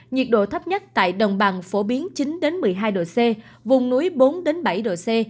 nhiệt độ thấp nhất tại đồng bằng phổ biến chín một mươi hai độ c vùng núi bốn bảy độ c